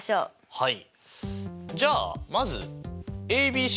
はい。